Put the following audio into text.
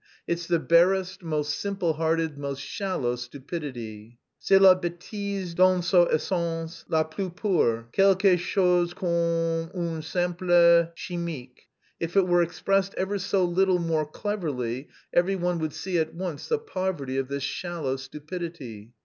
It's the barest, most simple hearted, most shallow stupidity. C'est la bêtise dans son essence la plus pure, quelque chose comme un simple chimique. If it were expressed ever so little more cleverly, every one would see at once the poverty of this shallow stupidity.